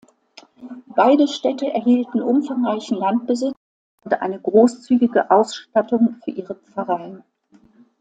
Beide Städte erhielten umfangreichen Landbesitz und eine großzügige Ausstattung für ihre Pfarreien.